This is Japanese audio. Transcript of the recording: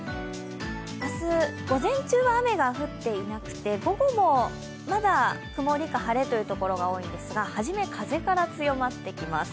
明日、午前中は雨が降っていなくて午後もまだ曇りか晴れというところが多いんですがはじめ、風から強まっていきます。